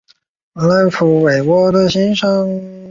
子夏完淳亦为抗清烈士。